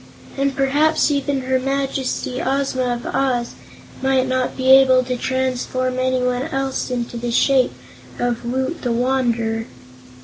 And perhaps even her Majesty, Ozma of Oz, might not be able to transform anyone else into the shape of Woot the Wanderer."